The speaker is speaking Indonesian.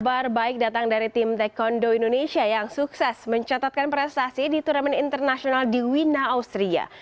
kabar baik datang dari tim taekwondo indonesia yang sukses mencatatkan prestasi di turnamen internasional di wina austria